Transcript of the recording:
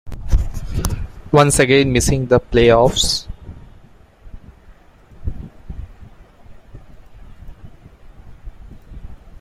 Once again, missing the playoffs.